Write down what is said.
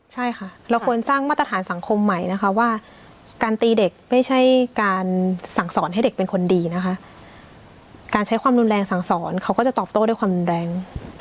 ใช่ค่ะเราควรสร้างมาตรฐานสังคมใหม่นะคะว่าการตีเด็กไม่ใช่การสั่งสอนให้เด็กเป็นคนดีนะคะการใช้ความรุนแรงสั่งสอนเขาก็จะตอบโต้ด้วยความรุนแรง